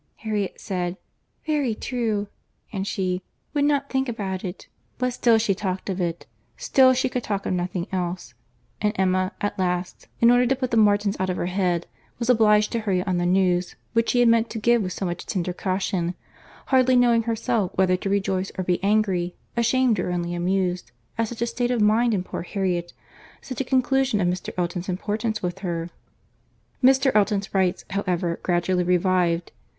Harriet said, "very true," and she "would not think about it;" but still she talked of it—still she could talk of nothing else; and Emma, at last, in order to put the Martins out of her head, was obliged to hurry on the news, which she had meant to give with so much tender caution; hardly knowing herself whether to rejoice or be angry, ashamed or only amused, at such a state of mind in poor Harriet—such a conclusion of Mr. Elton's importance with her! Mr. Elton's rights, however, gradually revived.